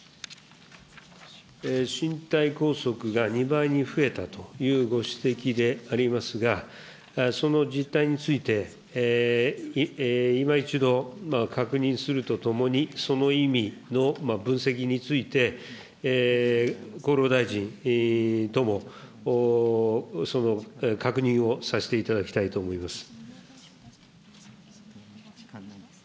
身体拘束が２倍に増えたというご指摘でありますが、その実態について、いま一度、確認するとともに、その意味の分析について、厚労大臣とも確認をさせていただきたいと思います。